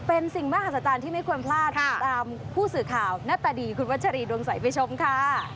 เป็นสิ่งมหัศจรรย์ที่ไม่ควรพลาดติดตามผู้สื่อข่าวหน้าตาดีคุณวัชรีดวงใสไปชมค่ะ